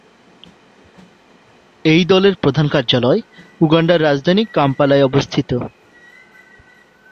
এই দলের প্রধান কার্যালয় উগান্ডার রাজধানী কাম্পালায় অবস্থিত।